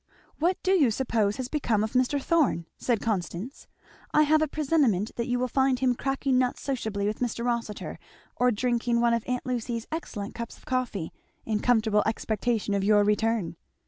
"What do you suppose has become of Mr. Thorn?" said Constance. "I have a presentiment that you will find him cracking nuts sociably with Mr. Rossitur or drinking one of aunt Lucy's excellent cups of coffee in comfortable expectation of your return."